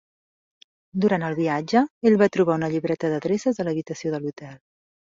Durant el viatge ell va trobar una llibreta d'adreces a l'habitació de l'hotel.